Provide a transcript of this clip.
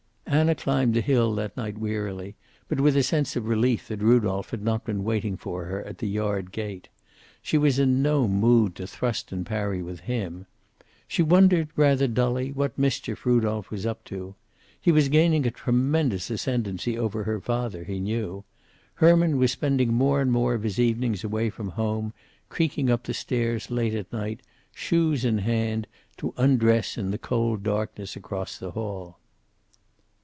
Anna climbed the hill that night wearily, but with a sense of relief that Rudolph had not been waiting for her at the yard gate. She was in no mood to thrust and parry with him. She wondered, rather dully, what mischief Rudolph was up to. He was gaining a tremendous ascendency over her father, she knew. Herman was spending more and more of his evenings away from home, creaking up the stairs late at night, shoes in hand, to undress in the cold darkness across the hall.